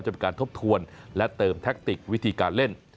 เป็นการทบทวนและเติมแทคติกวิธีการเล่น